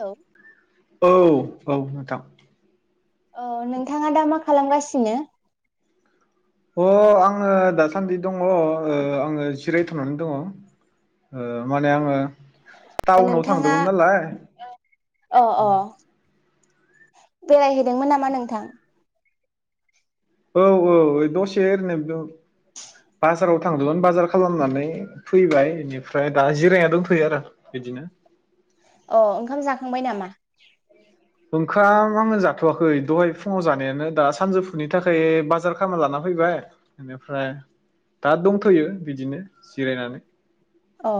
औ औ औ नोंथां। औ नोंथाङा दा मा खालामगासिनो? अ आङो दासान्दि दङ ओ आङो जिरायथांनानै दङ ओ माने आङो टाउनाव नोंथाङा थांदोंमोन नालाय अ अ बेरायहैदोंमोन नामा नोंथां। औ औ दसे ओरैनो बाजाराव थांदोंमोन बाजार खालामनानै फैबाय बेनिफ्राय दा जिरायना दंथैयो आरो बिदिनो। अ ओंखाम जाखांबाय नामा? ओंखाम आङो जाथवाखै दहाय फुङाव जानायानो दा सानजौफुनि थाखाय बाजार खालामना लाना फैबाय बेनिफ्राय दा दंथयो बिदिनो जिरायनानै। अ ओ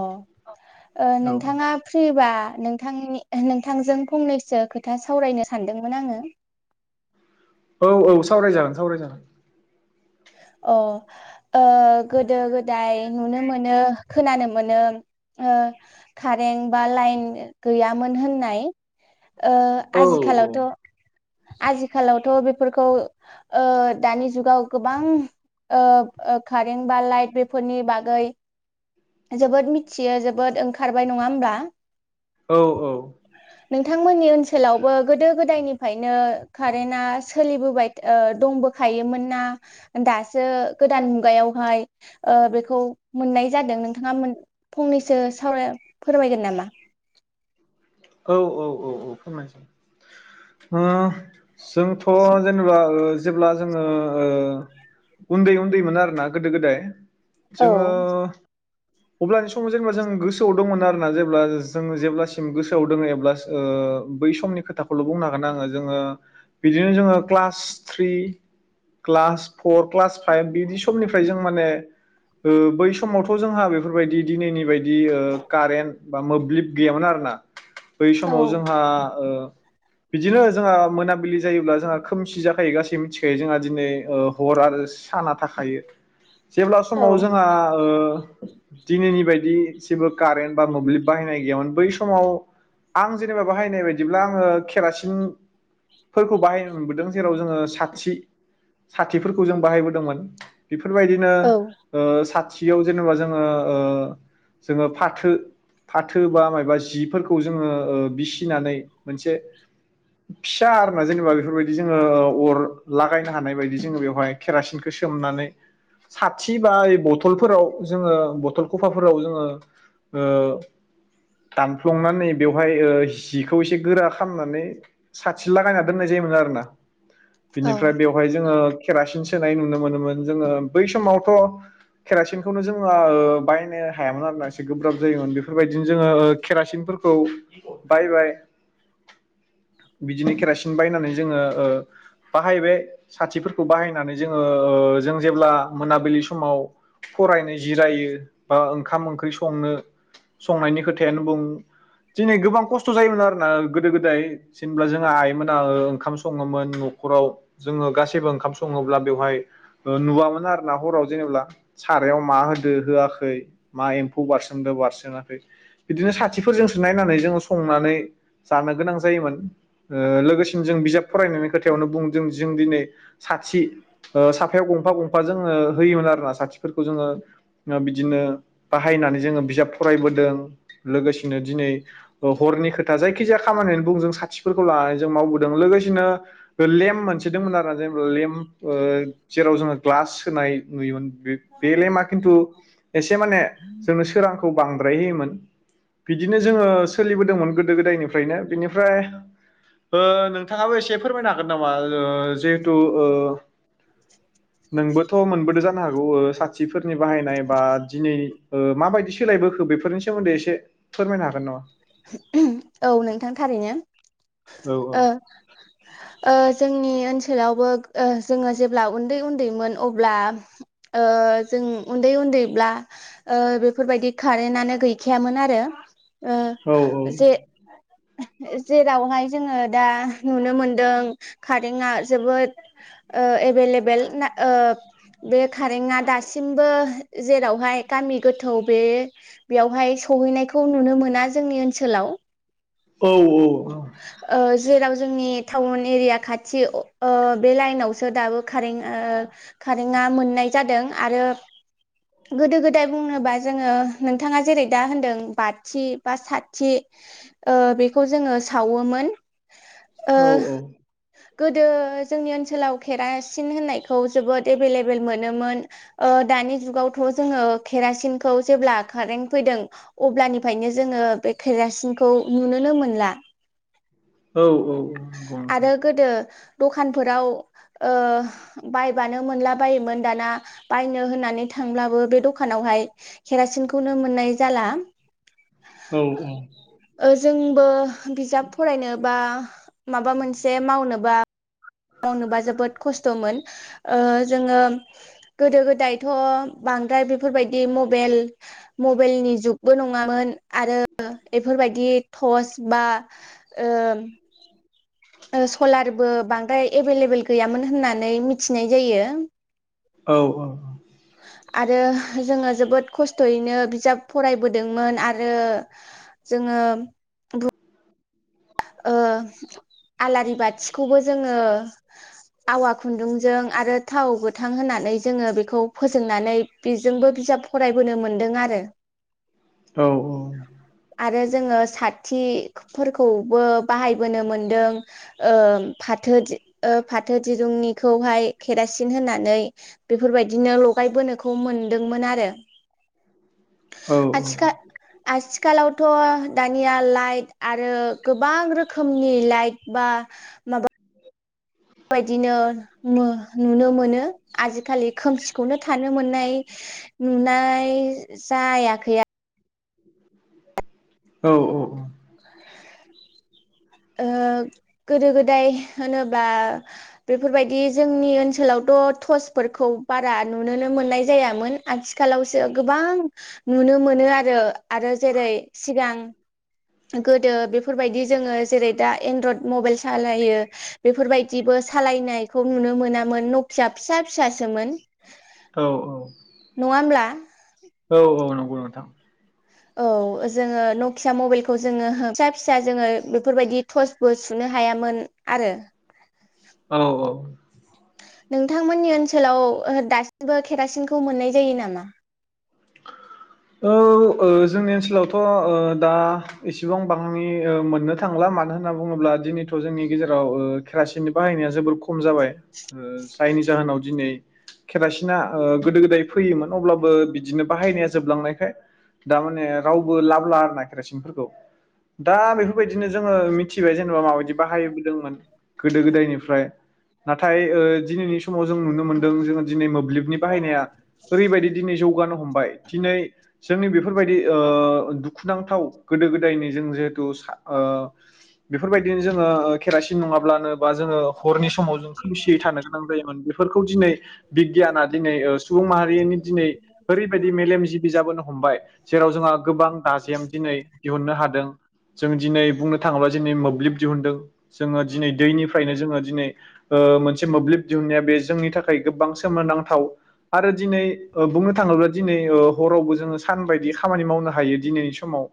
औ नोंथाङा फ्रिबा नोंथांनि नोंथांजों फंनैसो खोथा सावरायनो सानदोंमोन आङो। औ औ सावराय जागोन सावरायजागोन। अ ओ गोदो गोदाय नुनो मोनो खोनानो मोनो ओ कारेन्ट बा लाइन गैयामोन होननाय ओ औ आजिखालावथ आजिखालावथ बेफोरखौ ओ दानि जुगाव गो बां ओ ओ कारेन्ट बा लाइट बेफोरनि बागै जोबोद मिथियो जोबोद ओंखारबाय नङा होमब्ला? औ औ। नोंथांमोननि ओनसोलावबो गोदो गोदायनिफ्रायनो कारेन्टआ सोलिबोबाय ओ दंबोखायोमोन ना दासो गोदान मुगायावहाय ओ बेखौ मोननाय जादों नों नोंथाङा फंनैसो सावराय फोरमायगोन नामा? औ औ औ औ फोरमायनो सानो ओ जोंथ जेनेबा ओ जेब्ला जोंङो ओ उन्दै-उन्दै मोन आरोना गोदो गोदाय औ जोङो अब्लानि समाव जोंङो जों गोसोआव दंमोन आरोना जेब्ला जों जेब्लासिम गोसो आव दोंङो एब्ला ओ बै समनि खोथाखौल बुंनो हागोन आंङो जोंङो बिदिनो जोंङो class three, class four, class five बिदि समनिफ्राय जों माने ओ बै समावथ जोंहा बेफोरबादि दिनैनि बायदि दि ओ कारेन्ट बा मोब्लिब गैयामोन आरोना। बै औ समाव जोंहा ओ बिदिनो जोंहा मोनाबिलि जायोब्ला जोंहा खोमसि जाखायो गासै मिथिखायो जोंहा दिनै ओ हर आरो साना थाखायो। जेब्ला समाव जोंहा ओ दिनैनि बायदि जेबो कारेन्ट बा मोब्लिब बाहायनाय गैयामोन बै समाव आं जेनेबा बाहायनाय बायदिब्ला आङो केरासिनफोरखौ बाहायनो मोनबोदों जेराव जोङो साथि साथिफोरखौ जों बाहायबोदोंमोन। बेफोरबायदिनो औ ओ सा थियाव जेनेबा जोङो ओ जोङो फाथो फाथो बा मायबा जिफोर खौ जोङो बिसिनानै मोनसे फिसा आरोना जेनेबा बेफोरबायदि जोङो अर लागायनो हानाय बायदि जोङो बेवहाय केरासिनखौ सोमनानै साथि बा बथलफोराव जोङो बथल खफाफोराव जोङो ओ दान सुफ्लंनानै बेवहाय ओ हिखौ एसे गोरा खालामनानै साथि लागायना दोननाय जायोमोन आरोना। औ बिनिफ्राय बेवहाय जोङो केरासिन सोनाय नुनो मोनोमोन जोङो बै समावथ केरासिनखौनो जोङो ओ बायनो हायामोन आरोना एसे गोब्राब जायोमोन बेफोरबायदिनो जोङो केरासिनफोरखौ बायबाय बिदिनो केरासिन बाहायनानै जोङो ओ बाहायबाय साथिफोरखौ बाहायनानै जोङो ओ जों जेब्ला मोनाबिलि समाव फरायनो जिरायो बा ओंखाम ओंख्रि संनो संनायनि खोथा यानो बुं दिनै गोबां खस्थ जायोमोन आरोना गोदो गोदाय जेनब्ला जोंहा आइमोना ओंखाम सङोमोन नखराव जोङो गासैबो ओंखाम सङोब्ला बेवहाय नुवामोन आरोना हराव जेनेबा सारायाव मा होदो होआखै मा एम्फौ बारसोमदो बारसोमाखै। बिदिनो साथिफोरजोंसो नायनानै जोङो संनानै जानो गोनां जायोमोन ओ लोगोसेनो जों बिजाब फरायनायनि खोथायावनो बुंदों जों दिनै साथि ओ साफायाव गंफा गंफा जोङो होयोमोन आरोना साथिफोरखौ जोङो बिदिनो बाहायनानै जोङो बिजाब फरायबोदों। लोगोसे नो दिनै हरनि खोथा जायखि जाया खामानियानो बुं साथिफोरखौ लानानै जों मावबोदों लोगोसेनो लेम्प मोनसेदोंमोन आरो लेम्प ओ जेराव जोङो ग्लास सोनाय नुयोमोन। बे बे लेमा खिन्थु एसे माने जोंनो सोरांखौ बांद्राय होयोमोन। बिदिनो जोङो सोलिबोदोंमोन गोदो गोदायनिफ्रायनो बिनिफ्राय ओ नोंथाङाबो एसे फोरमायनो हागोन नामा ओ जिहेथु ओ नोंबोथ मोनबोदो जानो हागौ ओ साथिफोरनि बाहायनाय बा दिनै ओ माबायदि सोलायबोखो बेफोरनि सोमोन्दै एसे फोरमायनो हागोन नामा। औ नोंथां थारैनो। औ ओ ओ जोंनि ओनसोल थोरावबो ओ जोङो जेब्ला उन्दै उन्दैमोन अब्ला ओ जों उन्दै उन्दैब्ला ओ बेफोरबायदि कारेन्टनो गैखायामोन आरो। ओ औ जे जेरावहाय जोङो दा नुनो मोनदों कारेंआ जोबोद ओ एभेलेबेल ओ बे कारेंआ दासिमबो जेरावहाय गामि गोथौ बे बेयावहाय सहैनायखौ नुनो मोना जोंनि ओन ओनसोलाव। औ औ। ओ जेराव जोंनि टाउन एरिया खाथि ओ बे लाइनावसो दाबो कारें कारेंआ मोननाय जादों आरो गोदो गोदाय बुंनोबा जोङो नोंथाङा जेरै दा होनदों बाथि बा साथि ओ बेखौ जोङो सावोमोन। ओ औ औ। गोदो जोंनि ओनसोलाव केरासिन होननायखौ जोबोद एभेलेबेल मोनोमोन ओ दानि जुगावथ जोङो केरासिनखौ जेब्ला कारेन्ट फैदों अब्लानिफ्रायनो जोङो बे केरासिनखौ नुनोनो मोनला। औ औ औ नोंगौ नोंथां। आरो गोदो दखानफोराव ओ बायबानो मोनला बायोमोन दाना बायनो होननानै थांब्लाबो बे दखानावहाय केरासिनखौनो मोननाय जाला। औ औ ओ जोंबो बिजाब फरायनोबा माबा मोनसे मावनोबा मावनोबा जोबोद खस्थमोन ओ जोङो गोदो गोदायथ बांद्राय बेफोरबायदि मबेल मबेलनि जुगबो नङामोन आरो बेफोरबायदि टर्च बा ओम ओ सलारबो बांद्राय एभेलेबेल गैयामोन होननानै मिथिनाय जायो। औ ओ आरो जोङो जोबोद खस्थयैनो बिजाब फरायबोदोंमोन आरो जोङो बुब ओ आलारि बाथिखौबो जोङो [inaudible] आवा खुन्दुंजों आरो थाव गोथ थां होनानै जोङो बेखौ फोजोंनानै बेजोंबो बिजाब फरायबोनो मोन्दों आरो। औ औ आरो जोङो साथिफोरखौ बो बाहायबोनो मोनदों ओ फाथो दि ओ फाथो दिरुंनिखौहाय केरासिन होननानै बेफोरबायदिनो लगायबोनोखौ मोनदोंमोन आरो। औ औ औ आथिखा आज खालावथ दानिया लाइट आरो। गोबां रोखोमनि लाइट बा माबा बायदिनो [unintelligible] नुनो मोनो आजिखालि खोमसिखौनो थानो मोननाय नुनाय जायाखैया औ औ औ। ओ गोदो गोदाय होनोब्ला बेफोरबायदि जोंनि ओनसोलावथ' टर्सफोरखौ बारा नुुनोनो मोननाय जायामोन आथिखालावसो गोबां नुनो मोनो आरो आरो जेरै सिगां गोदो बेफोरबायदि जोङो जेरै दा एनड्रड मबाइल सालायो बेफोरबायदिबो सालायनायखौ नुनो मोनामोन नखिया फिसा फिसासोमोन। औ औ नङा होमब्ला औ औ नंगौ नोंथां औ जोङो नखिया मबाइलखौ जोङो फिसा फिसा जोङो बेफोरबायदि टर्चबो सुनो हायामोन आरो औ औ नोंथांमोननि ओनसोलाव ओ दासिमबो केरासिनखौ मोननाय जायो नामा औ-औ जोंनि ओनसोलावथ ओ दा एसेबां बांनि ओ मोननो थांला मानो होनना बुङोब्ला दिनैथ जोंनि गेजेराव ओ केरासिननि बाहायनाया जोबोर खम जाबाय ओ जायनि जाहोनाव दिनै केरासिना ओ गोदो गोदाय फैयोमोन अब्लाबो बि बिदिनो बाहायनाया जोबलांनायखाय दामाने रावबो लाबला नागिरा केरासिनफोरखौ। दा बेफोरबायदिनो जोङो मिथ मिथिबाय जेनेबा माबायदि बाहायबोदोंमोन गोदो गोदायनिफ्राय नाथाय ओ दिनैनि समाव जों नुनो मोनदों जोङो दिनै मोब्लिबनि बाहायनाया ओरैबायदि दिनै जौगा हबाय दिनै जोंनि बेफोरबायदि ओ दुखुनांथाव गोदो गोदायनि जों जिहेथु सा ओ बेफोरबायदिनो जोङो ओ केरासिन नङाब्लानो बा जोङो हरनि समाव जों खोमसियै थानो गोनां जायोमोन बेफोरखौ दिनै बिगियाना दिनै ओ सुबुं माहारिनि दिनै बेैबायदि मेलेम जिबि जाबोनो हमबाय जेराव जोंहा गोबां दाजेम दिनै दिहुननो हा जों दिनै बुंनो थाङोब्ला दिनै मोब्लिब दिहुनदों जोङो दिनै दैनिफ्रायनो जोङो दिनै ओ मोनसे मोब्लिब दिहुननाया बे जोंनि थाखाय गोबां सोमोनोनांथाव आरो दिनै ओ बुंनो थाङोब्ला दिनै ओ हरावबो जोङो सान बायदि खामानि मावनो हायो दिनैनि समाव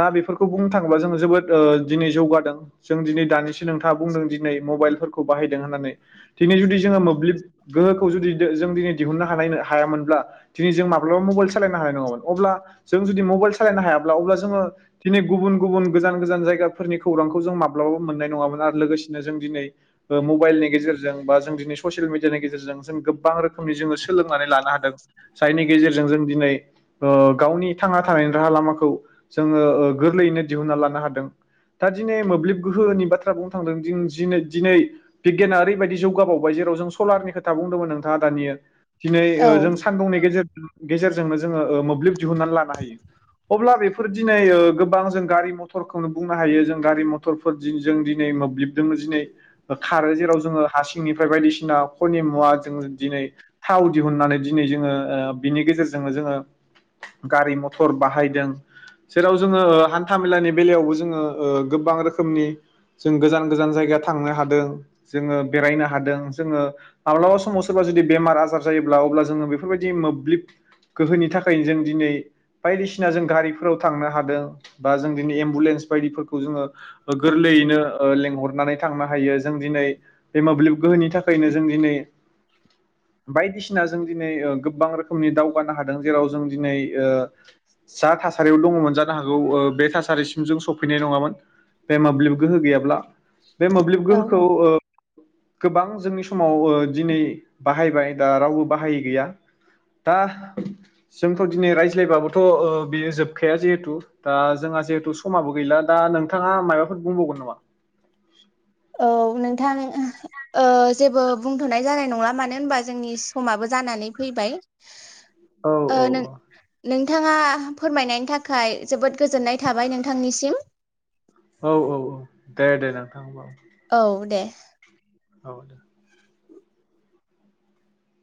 दा बेफोरखौ बुंनो थाङोब्ला जोङो जोबोद ओ दिनै जौगादों जों दिनै दानिसो नोंथाङा बुंदों दिनै मबाइलफोरखौ बाहायदों होननानै दिनै जुदि जोङो मोब्लिब गोहोखौ जुदि जो-जों दिनै दिहुननो हानाय हायामोनब्ला दिनै जों माब्लाबा मबाइल सालायनो हानाय नङामोन अब्ला जों जुदि मबाइल सालायनो हायाब्ला अब्ला जोङो दिनै गुबुन गुबुन गोजान गोजान जायगाफोरनि खौरांखौ जों माब्लाबाबो मोननाय नङामोन आरो लोगोसेनो जों दिनै ओ मबाइलनि गेजेरजों बा जों दिनै ससियेल मिडियानि गेजेरजों जों गोबां रोखोमनि जोङो सोलोंनानै लानो हादों। नि गेजेरजों जों दिनै ओ गावनि थांना थानायनि राहा लामाखौ जोङो ओ गोरलैयैनो दिहुनना लानो हादों दा दिनै मोब्लिब गोहोनि बाथ्रा बुंनो थांदों दिन दिनै दिनै बिग्याना ओरैबायदि जौगाबावबाय जेराव जों सलारनि खो थां बुंदोंमोन नोंथाङा दानियो दिनै औ ओ जों समनि गेजेरजों गेजेरजोंनो जोङो ओ मोब्लिब दिहुननानै लानो हायो अब्ला बेफोर दिनै ओ गोबां जों गारि मथरखौनो बुंनो हायो जों गारि मथरफोरदि जों दिनै मोब्लिबजोंनो दिनै ओ खारो जेराव जोङो हा सिंनिफ्राय बायदिसिना खनि मुवाजों दिनै थाव दिहुननानै दि दिनै जोङो ओ बिनि गेजेरजोंनो जोङो गारि मथर बाहायदों जेराव जोङो ओ हान्था मेलानि बेलायावबो जोङो ओ गोबां रोखोमनि जों गोजान गोजान जायगा थांनो हादों जोङो बेरायनो हादों जोङो माब्लाबा समाव सोरबा जुदि बेमार आजार जायोब्ला अब्ला जो जोङो बेफोरबायदि मोब्लिब गोहोनि थाखायनो जों दिनै बायदिसिना जों गारिफोराव थांनो हादों बा जों दिनै एम्बुलेन्स बायदिफोरखौ जोङो गोरलैयैनो ओ लेंहरनानै थांनो हायो जों दिनै बे मोब्लिब गोहोनि थाखायनो जों दिनै बायदिसिना जों दिनै ओ गोबां रोखोमनि दावगानो हादों जेराव जों दिनै ओ जा थासारियाव दङमोन जानो हागौ ओ बे थासारिसिम जों सौफैनाय नङामोन बे मोब्लिब गोहो गैयाब्ला। बे मोब्लिब गोहोखौ ओ गोबां जोंनि समाव ओ दिनै बाहायबाय दा रावबो बाहायै गैया दा जोंथ दिनै रायज्लायबाबोथ ओ बेयो जोबखाया जिहेथु ओ जोंहा जिहेथु समाबो गैला दा नोंथाङा माबाफोर बुंबावगोन नामा? औ नोंथां ओ जेबो बुंथनाय जानाय नंला मानो होनबा जोंनि समाबो जानानै फैबाय। औ औ औ। थाङा फोरमायनायनि थाखाय जोबोद गोजोननाय थाबाय नोंथांनिसिम। औ औ औ दे दे नोंथां औ दे। औ दे।